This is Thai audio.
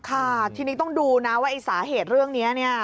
ค่ะทีนี้ต้องดูนะว่าไอ้สาเหตุเรื่องนี้เนี่ย